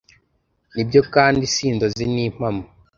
Nibyo kandi si inzozi n’impamo